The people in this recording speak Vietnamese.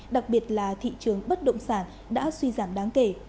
đặc biệt là thị trường bất động sản đã suy giảm đáng kể